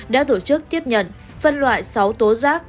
đã tổ chức tiếp nhận phân loại sáu tố rác